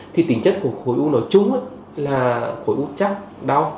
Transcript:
thì tính chất của khối u nói chung là khối út chắc đau